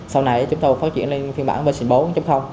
sau này chúng tôi phát triển lên phiên bản pc bốn